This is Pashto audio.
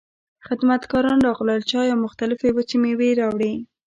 خدمتګاران راغلل، چای او مختلفې وچې مېوې يې راوړې.